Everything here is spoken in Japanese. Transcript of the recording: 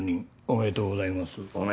おめでとうございます。